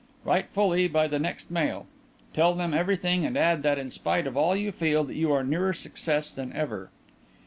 Write fully by the next mail. Tell them everything and add that in spite of all you feel that you are nearer success than ever."